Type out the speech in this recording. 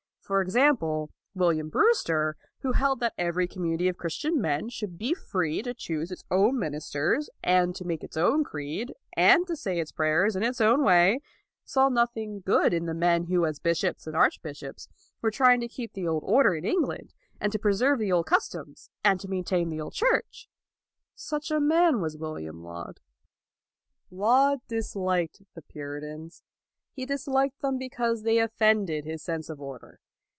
For example, William Brewster, who held that every community of Christian men should be free to choose its own ministers, and to make its own creed, and to say its pray ers in its own way, saw nothing good in the men who as bishops and arch bishops were trying to keep the old order in England, and to preserve the old cus toms, and to maintain the old Church. Such a man was William Laud. Laud disliked the Puritans. He dis liked them because they offended his sense of order.